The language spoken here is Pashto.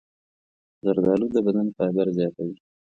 زردالو د بدن فایبر زیاتوي.